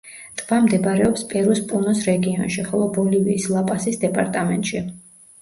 ტბა მდებარეობს პერუს პუნოს რეგიონში, ხოლო ბოლივიის ლა-პასის დეპარტამენტში.